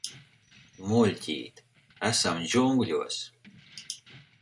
Muļķīt, esam džungļos.